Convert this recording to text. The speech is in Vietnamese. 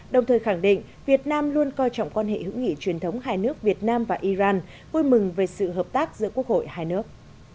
đồng thời khẳng định việt nam luôn coi trọng quan hệ hữu nghị truyền thống hai nước việt nam và iran vui mừng về sự hợp tác giữa quốc hội hai nước